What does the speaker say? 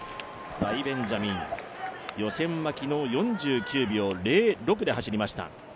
ライ・ベンジャミン、予選は昨日４９秒０６で走りました。